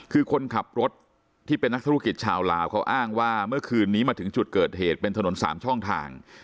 คือคนขับรถที่เป็นนักธุรกิจชาวลาวเขาอ้างว่าเมื่อคืนนี้มาถึงจุดเกิดเหตุเป็นถนน๓ช่องทาง